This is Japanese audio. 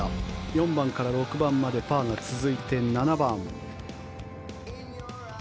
４番から６番までパーが続いて７番。